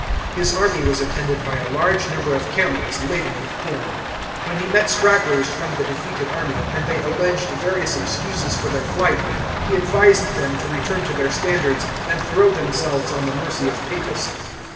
His army was attended by a large number of camels laden with corn. When he met stragglers from the defeated army, and they alleged various excuses for their flight, he advised them to return to their standards, and throw themselves on the mercy of Psetus.